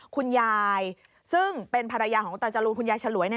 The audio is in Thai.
คุณยายซึ่งเป็นภรรยาของคุณตาจรูนคุณยายฉลวย